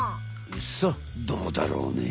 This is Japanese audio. さあどうだろうね？